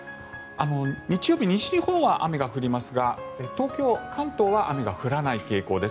日曜日、西日本は雨が降りますが東京、関東は雨が降らない傾向です。